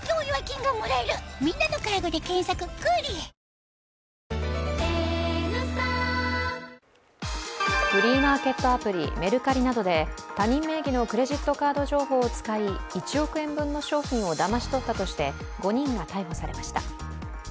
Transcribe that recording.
トランシーノの最新美白美容液フリーマーケットアプリメルカリなどで他人名義のクレジットカード情報を使い１億円分の商品をだまし取ったとして５人が逮捕されました。